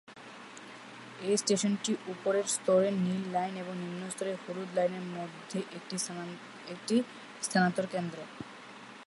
এই স্টেশনটি উপরের স্তরে নীল লাইন এবং নিম্ন স্তরে হলুদ লাইনের মধ্যে একটি স্থানান্তর কেন্দ্র।